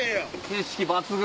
景色抜群！